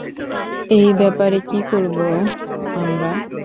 এই ব্যাপারে কী করবো আমরা?